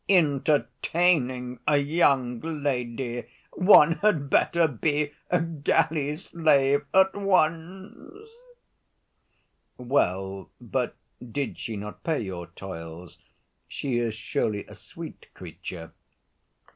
Entertaining a young lady! one had better be a galley slave at once!" "Well, but did she not pay your toils? She is surely a sweet creature."